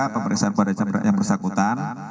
pemeriksaan pada jam beratnya persangkutan